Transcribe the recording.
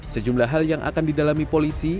sejumlah hal yang akan didalami polisi